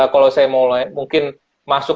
kalau saya mau mungkin masuk